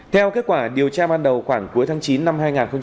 theo kết quả điều tra ban đầu khoảng cuối tháng chín năm hai nghìn hai mươi ba